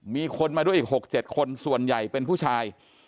มีคนมาด้วยอีก๖๗คนส่วนใหญ่เป็นผู้ชาย